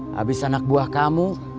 habis anak buah kamu